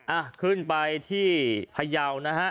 อ่ะขึ้นไปที่พยาวนะฮะ